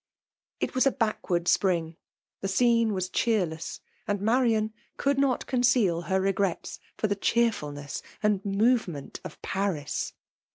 It was a backward spring ; the scene waa cheerless; and Marian eoald not conceal her legrets for the eheerfiilness and movement tif Pans.